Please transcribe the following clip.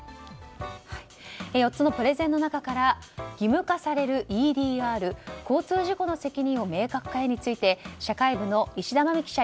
４つのプレゼンの中から義務化されるＥＤＲ交通事故の責任を明確化へについて社会部の石田真美記者